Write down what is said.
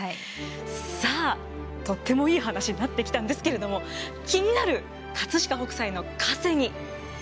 さあとってもいい話になってきたんですけれども気になる飾北斎の稼ぎ。